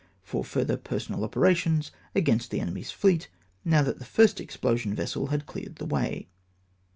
for further personal operations amongst the enemy's fleet, now that the first explosion vessel had cleared the way.